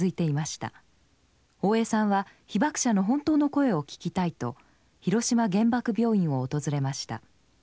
大江さんは被爆者の本当の声を聞きたいと広島原爆病院を訪れました。